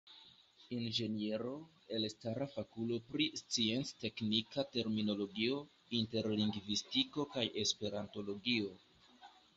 Inĝeniero, elstara fakulo pri scienc-teknika terminologio, interlingvistiko kaj esperantologio.